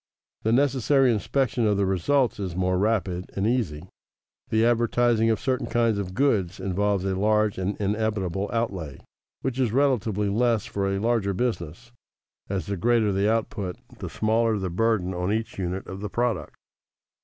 The necessary inspection of the results is more rapid and easy. The advertising of certain kinds of goods involves a large and inevitable outlay, which is relatively less for a larger business, as the greater the output the smaller the burden on each unit of the product.